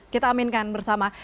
kita aminkan bersama